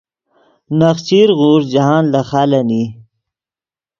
نخچیر غوݰ جاہند لے خالن ای